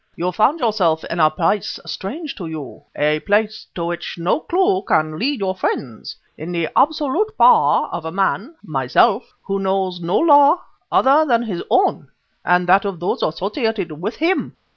You find yourself in a place strange to you, a place to which no clue can lead your friends; in the absolute power of a man myself who knows no law other than his own and that of those associated with him.